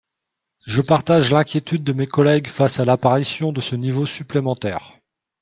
Je partage l’inquiétude de mes collègues face à l’apparition de ce niveau supplémentaire.